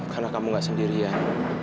karena kamu gak sendirian